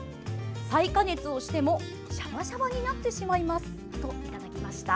再加熱をしてもシャバシャバになってしまいます。」と、いただきました。